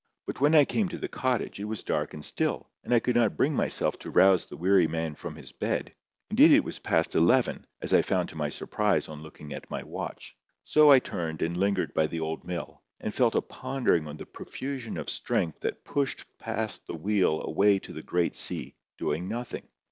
But when I came to the cottage, it was dark and still, and I could not bring myself to rouse the weary man from his bed. Indeed it was past eleven, as I found to my surprise on looking at my watch. So I turned and lingered by the old mill, and fell a pondering on the profusion of strength that rushed past the wheel away to the great sea, doing nothing.